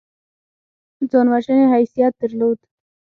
ځان وژنې حیثیت درلود.